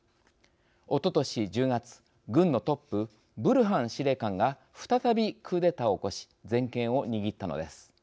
おととし１０月軍のトップ、ブルハン司令官が再びクーデターを起こし全権を握ったのです。